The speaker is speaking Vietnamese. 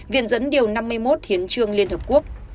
viện dẫn điều năm mươi một hiến trương liên hợp quốc